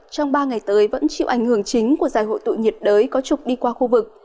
trong ba ngày tới vẫn chịu ảnh hưởng chính của giải hội tụ nhiệt đới có trục đi qua khu vực